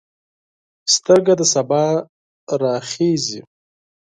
سترګه د سبا راخیژي